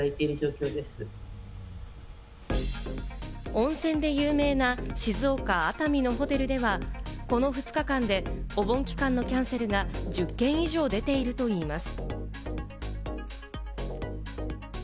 温泉で有名な静岡・熱海のホテルではこの２日間でお盆期間のキャンセルが１０件以上出ているといいます。